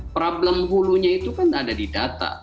problem hulunya itu kan ada di data